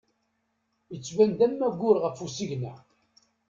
Yettban-d am aggur ɣef usigna.